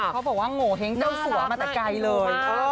เขาบอกว่าโงเห้งเจ้าสัวมาแต่ไกลเลย